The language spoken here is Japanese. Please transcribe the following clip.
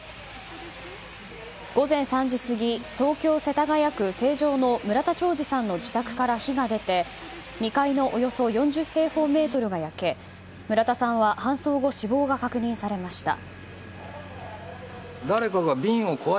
午前３時過ぎ東京・世田谷区成城の村田兆治さんの自宅から火が出て、２階のおよそ４０平方メートルが焼け村田さんは搬送後死亡が確認されました。